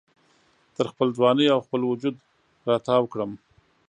تر خپل ځوانۍ او خپل وجود را تاو کړم